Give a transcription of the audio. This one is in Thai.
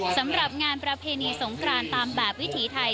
สำหรับงานประเพณีสงครานตามแบบวิถีไทย